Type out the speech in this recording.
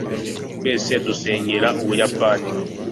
twese dusengera ubuyapani